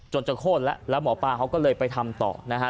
จะโค้นแล้วแล้วหมอปลาเขาก็เลยไปทำต่อนะฮะ